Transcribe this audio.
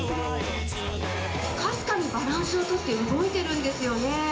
かすかにバランスを取って動いているんですよね。